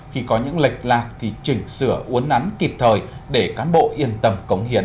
khi có những lệch lạc thì chỉnh sửa uốn nắn kịp thời để cán bộ yên tâm cống hiến